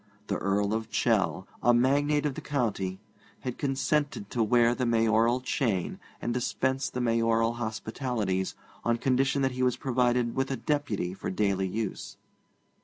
The Earl of Chell, a magnate of the county, had consented to wear the mayoral chain and dispense the mayoral hospitalities on condition that he was provided with a deputy for daily use.